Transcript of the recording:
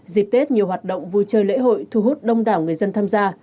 dịp tết nhiều hoạt động vui chơi lễ hội thu hút đông đảo người dân tham gia